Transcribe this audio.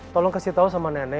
tolong kasih tahu sama nenek